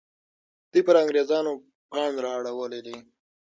دوی پر انګریزانو پاڼ را اړولی دی.